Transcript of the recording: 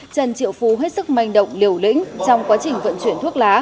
trần triệu phú hết sức manh động liều lĩnh trong quá trình vận chuyển thuốc lá